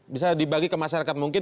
bisa dibagi ke masyarakat mungkin